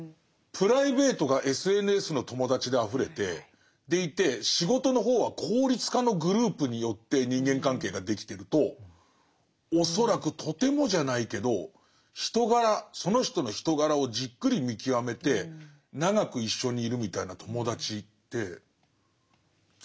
プライベートがＳＮＳの友達であふれてでいて仕事の方は効率化のグループによって人間関係ができてると恐らくとてもじゃないけど人柄その人の人柄をじっくり見極めて長く一緒にいるみたいな友達ってつくれない。